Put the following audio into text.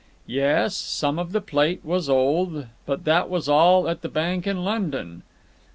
Yes, some of the plate was old, but that was all at the bank in London.